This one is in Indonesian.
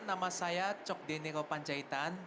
nama saya cok dene ropanjaitan